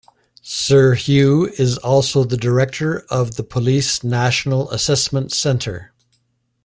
Sir Hugh is also the director of the Police National Assessment Centre.